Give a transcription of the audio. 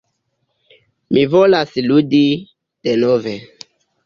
Mi volas ludi... denove...